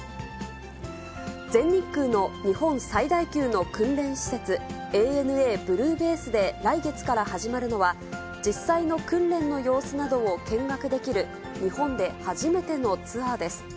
全日空の日本最大級の訓練施設、ＡＮＡＢｌｕｅＢａｓｅで来月から始まるのは、実際の訓練の様子などを見学できる、日本で初めてのツアーです。